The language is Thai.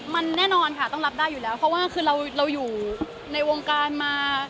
มันแน่นอนค่ะต้องรับได้อยู่แล้วเพราะว่าคือเราอยู่ในวงการมา